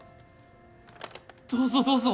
どうぞどうぞ。